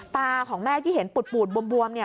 ของแม่ที่เห็นปูดบวมเนี่ย